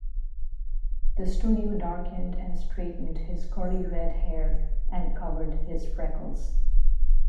The studio darkened and straightened his curly red hair and covered his freckles.